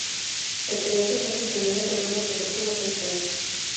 Se cree que está construida sobre una plataforma prehispánica.